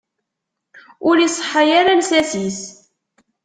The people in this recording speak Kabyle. Ur iseḥḥa ara lsas-is.